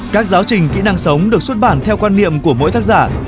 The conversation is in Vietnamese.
các giáo trình kỹ năng sống được xuất bản theo quan niệm của mỗi tác giả